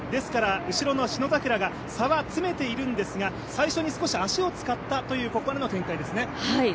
後ろの信櫻が差は詰めているんですが、最初に少し足を使ったというここからの展開ですね。